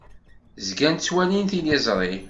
Zgan ttwalin tiliẓri.